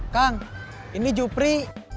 kang ini jupri